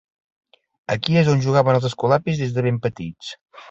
Aquí és on jugaven els escolapis des de ben petits.